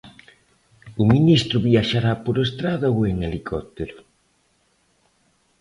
O ministro viaxará por estrada ou en helicóptero?